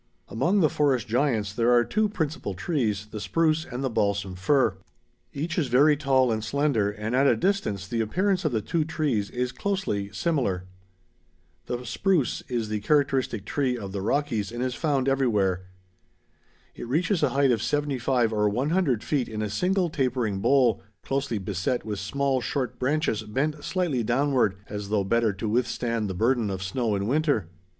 Among the forest giants there are two principal trees, the spruce and the balsam fir. Each is very tall and slender and at a distance the appearance of the two trees is closely similar. The spruce is the characteristic tree of the Rockies and is found everywhere. It reaches a height of 75 or 100 feet in a single tapering bole, closely beset with small short branches bent slightly downward, as though better to withstand the burden of snow in winter.